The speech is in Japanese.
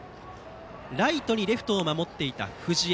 ライトにレフトを守っていた藤江。